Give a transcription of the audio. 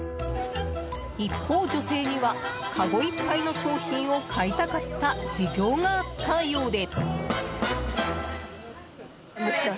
一方、女性にはかごいっぱいの商品を買いたかった事情があったようで。